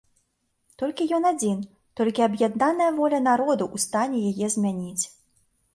Толькі ён адзін, толькі аб'яднаная воля народу ў стане яе змяніць.